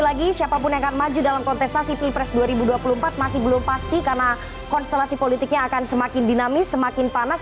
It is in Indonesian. lagi siapapun yang akan maju dalam kontestasi pilpres dua ribu dua puluh empat masih belum pasti karena konstelasi politiknya akan semakin dinamis semakin panas